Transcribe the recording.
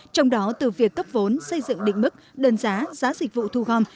trong đó từ việc cấp vốn xây dựng định mức đơn giá giá dịch vụ thu gom